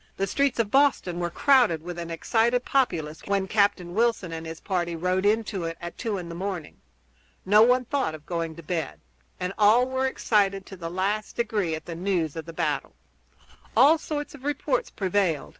The streets of Boston were crowded with an excited populace when Captain Wilson and his party rode into it at two in the morning. No one thought of going to bed, and all were excited to the last degree at the news of the battle. All sorts of reports prevailed.